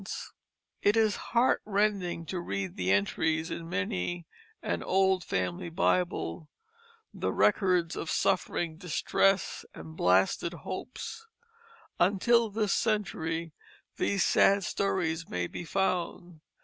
[Illustration: Edward Winslow] It is heartrending to read the entries in many an old family Bible the records of suffering, distress, and blasted hopes. Until this century these sad stories may be found.